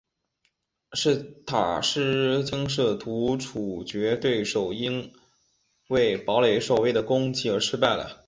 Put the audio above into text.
塔金试图处决对手但因为堡垒守卫的攻击而失败了。